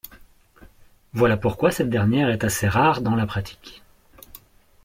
Voilà pourquoi cette dernière est assez rare dans la pratique.